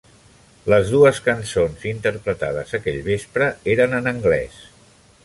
Les dues cançons interpretades aquell vespre eren en anglès.